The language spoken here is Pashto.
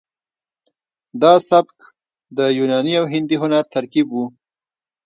دا سبک د یوناني او هندي هنر ترکیب و